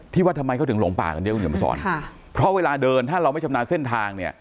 ว่าทำไมเขาถึงหลงป่ากันเยอะคุณเขียนมาสอนค่ะเพราะเวลาเดินถ้าเราไม่ชำนาญเส้นทางเนี่ย